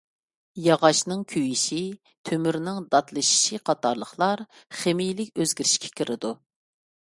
ياغاچنىڭ كۆيۈشى، تۆمۈرنىڭ داتلىشىشى قاتارلىقلار خىمىيەلىك ئۆزگىرىشكە كىرىدۇ.